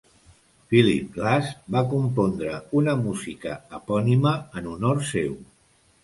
Philip Glass va compondre una música epònima en honor seu.